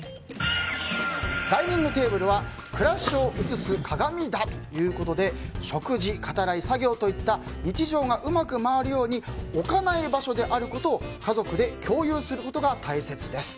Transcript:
ダイニングテーブルは暮らしを映す鏡だということで食事、語らい、作業といった日常がうまく回るように置かない場所であることを家族で共有することが大切です。